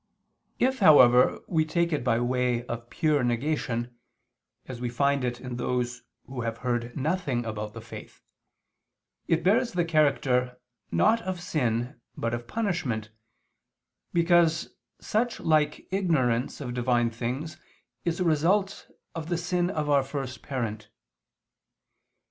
If, however, we take it by way of pure negation, as we find it in those who have heard nothing about the faith, it bears the character, not of sin, but of punishment, because such like ignorance of Divine things is a result of the sin of our first parent.